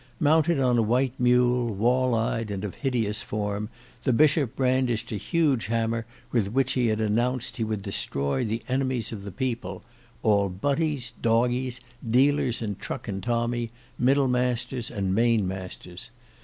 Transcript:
Mounted on a white mule, wall eyed and of hideous form, the Bishop brandished a huge hammer with which he had announced he would destroy the enemies of the people: all butties, doggies, dealers in truck and tommy, middle masters and main masters.